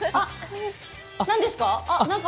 何ですか？